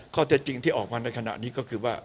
ข้อเท็จจริงที่ออกมาในขณะนี้ก็คือว่า